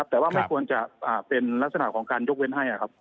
แต่ว่าไม่ควรจะเป็นลักษณะของการยกเว้นให้ครับ